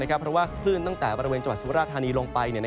เพราะว่าคลื่นตั้งแต่บริเวณจังหวัดสุราธานีลงไป